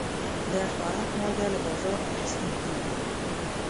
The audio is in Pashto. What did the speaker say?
د خوراک مالګه له بازار نه اخیستل کېږي.